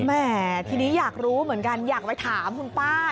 แหมทีนี้อยากรู้เหมือนกันอยากไปถามคุณป้า